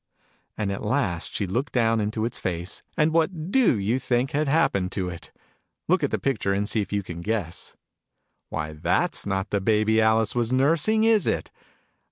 And at last she looked down into its face, and what do you think had happened to it ? Look at the picture, and see if you can guess. " Why, that' 8 not the Baby that Alice was nursing, is it